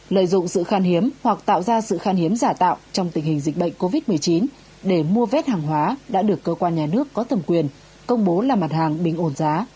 lợi dụng sự khan hiếm hoặc tạo ra sự khan hiếm giả tạo trong tình hình dịch bệnh covid một mươi chín để mua vét hàng hóa đã được cơ quan nhà nước có tầm quyền công bố là mặt hàng bình ổn giá